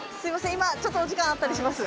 今ちょっとお時間あったりします？